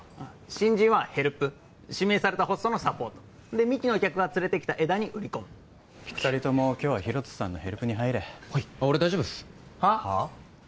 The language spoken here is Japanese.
新人はヘルプ指名されたホストのサポートで幹の客が連れてきた枝に売り込む二人とも今日はヒロトさんのヘルプに入れはいあっ俺大丈夫ですはあ？